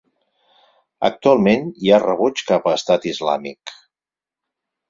Actualment hi ha rebuig cap a Estat Islàmic.